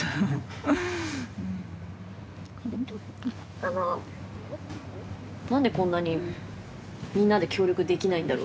あの何でこんなにみんなで協力できないんだろう